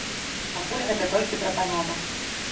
Пакуль гэта толькі прапанова.